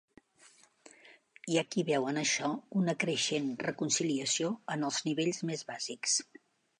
Hi ha qui veu en això una creixent reconciliació en els nivells més bàsics.